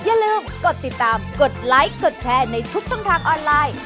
อย่าลืมกดติดตามกดไลค์กดแชร์ในทุกช่องทางออนไลน์